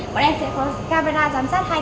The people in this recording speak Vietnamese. bọn em sẽ có camera giám sát hai mươi bốn trên bảy